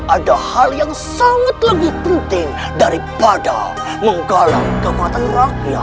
ada hal yang sangat lebih penting daripada menggalang kekuatan rakyat